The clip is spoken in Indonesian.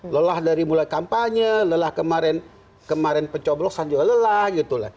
lelah dari mulai kampanye lelah kemarin pencoblosan juga lelah gitu lah